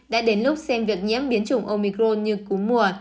đã đến lúc xem việc nhiễm biến chủng omicron như cúm mùa